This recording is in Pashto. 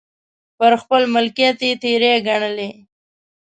پر خپل ملکیت یې تېری ګڼلی.